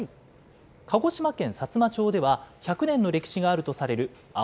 鹿児島県さつま町では、１００年の歴史があるとされるあ